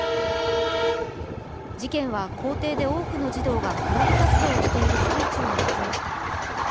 事件は校庭で多くの児童がクラブ活動をしている最中に起きました。